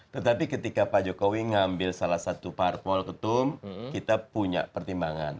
tetapi ketika pak jokowi mengambil salah satu partpol ketum kita punya pertimbangan